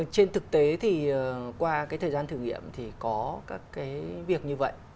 trên thực tế thì qua cái thời gian thử nghiệm thì có các cái việc như vậy